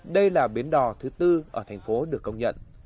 đây là bến đò thứ tư ở thành phố được công nhận